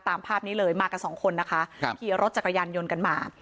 ตามภาพนี้เลยมากันสองคนนะคะขี่รถจักรยานยนต์กันมา